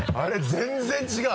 全然違う！